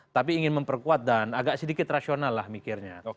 tapi ingin memperkuat dan agak sedikit rasional lah mikirnya